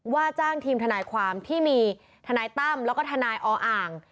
ว่าจ้างทีมทนายความที่มีทนายตั้มแล้วก็ทนายออ่าง